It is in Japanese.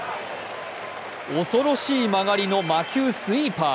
恐ろしい曲がりの魔球スイーパー。